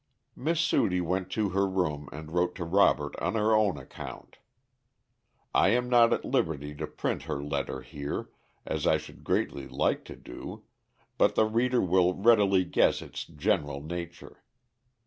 Miss Sudie went to her room and wrote to Robert on her own account. I am not at liberty to print her letter here, as I should greatly like to do, but the reader will readily guess its general nature.